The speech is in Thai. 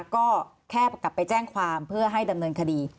ก็แค่กลับไปแจ้งความเพื่อให้ดำเนินคดี